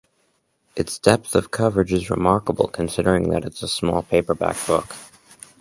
Its depth of coverage is remarkable, considering that it is a small paperback book.